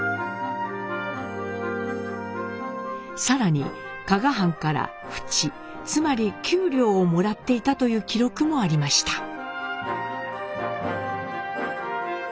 更に加賀藩から扶持つまり給料をもらっていたという記録もありました。